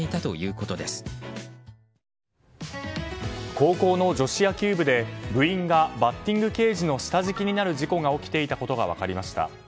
高校の女子野球部で部員がバッティングケージの下敷きになる事故が起きていたことが分かりました。